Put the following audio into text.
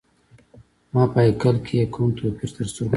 ما په هیکل کي یې کوم توپیر تر سترګو نه کړ.